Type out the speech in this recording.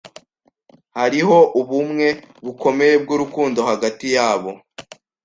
Hariho ubumwe bukomeye bwurukundo hagati yabo.